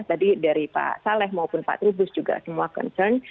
tadi dari pak saleh maupun pak trubus juga semua concern